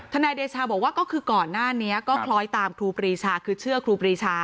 นายเดชาบอกว่าก็คือก่อนหน้านี้ก็คล้อยตามครูปรีชาคือเชื่อครูปรีชา